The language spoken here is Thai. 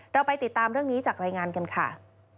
เราไปติดตามเรื่องนี้จากรายงานกันค่ะ